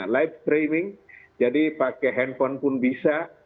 live streaming jadi pakai handphone pun bisa